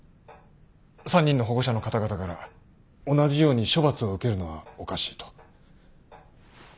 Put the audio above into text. ３人の保護者の方々から同じように処罰を受けるのはおかしいと。